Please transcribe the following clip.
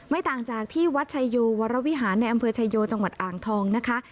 ต่างจากที่วัดชายโยวรวิหารในอำเภอชายโยจังหวัดอ่างทองนะคะ